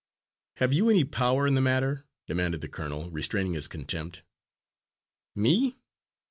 "Have you any power in the matter?" demanded the colonel, restraining his contempt. "Me?